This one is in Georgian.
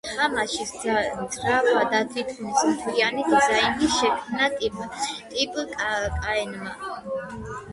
თამაშის ძრავა და თითქმის მთლიანი დიზაინი შექმნა ტიმ კაენმა.